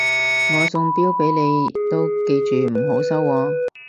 我送錶俾你都記住唔好收喎